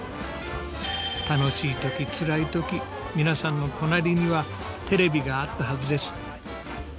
楽しい時つらい時皆さんの隣には「テレビ」があったはずです。